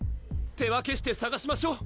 手分けしてさがしましょう！